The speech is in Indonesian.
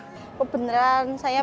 pertama kali saya melihat anaknya di paut